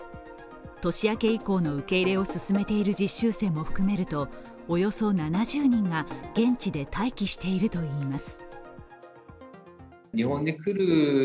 年明け以降の受け入れを進めている実習生も含めるとおよそ７０人が現地で待機しているといいます。